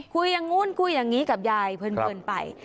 คุยอย่างนู้นคุยอย่างนี้กับยายเพลินไป